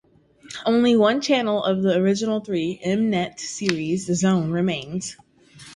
Only one channel of the original three, M-Net Series Zone, remains.